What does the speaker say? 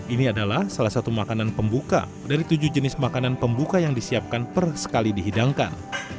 ini adalah salah satu makanan pembuka dari tujuh jenis makanan pembuka yang disiapkan per sekali dihidangkan